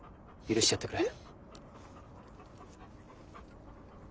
許してやってくれ。